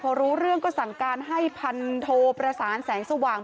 พอรู้เรื่องก็สั่งการให้พันโทประสานแสงสว่าง